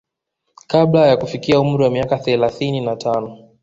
Kabla ya kufikia umri wa miaka thelathini na tano